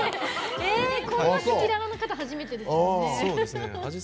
こんな赤裸々な方初めてですね。